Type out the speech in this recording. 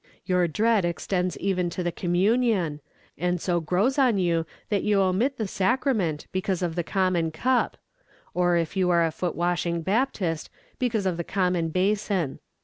Your dread extends even to the communion, and so grows on you that you omit the sacrament because of the common cup or, if you are a Foot washing Baptist, because of the common basin.